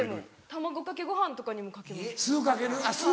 卵かけご飯とかにもかけます。